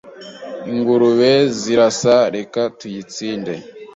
Ingurube ziraza, reka tuyitsinde!